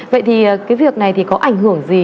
vậy thì cái việc này có ảnh hưởng gì